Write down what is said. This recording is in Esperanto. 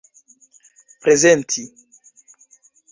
prezenti